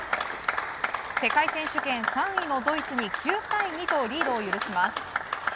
世界選手権３位のドイツに９対２とリードを許します。